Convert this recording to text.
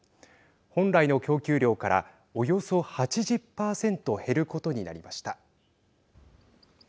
本来の供給量からおよそ８０％減ることになりました。